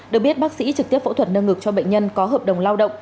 được biết bác sĩ trực tiếp phẫu thuật nâng ngực cho bệnh nhân có hợp đồng lao động